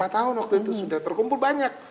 lima tahun waktu itu sudah terkumpul banyak